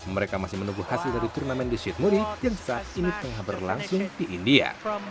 mereka masih menunggu hasil dari turnamen di syedmuri yang saat ini penghabar langsung di india